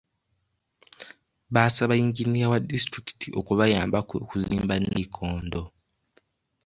Baasaaba yinginiya wa disitulikiti okubayambako okuzimba nnayikondo.